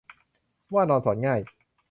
ว่านอนสอนง่าย